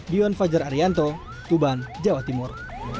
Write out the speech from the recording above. dion fajar arianto tuban jawa timur